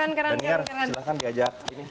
dan nyer silahkan diajak ini